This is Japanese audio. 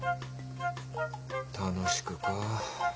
楽しくか。